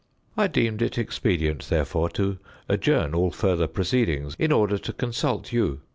I deemed it expedient, therefore, to adjourn all further proceedings, in order to consult you.